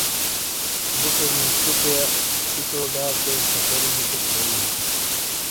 بوٹنو چھوپیا، اُچو ڈاکویا چھچھری دیشیک بےیئ۔